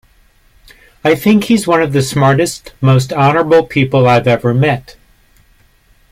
I think he's one of the smartest, most honorable people I've ever met.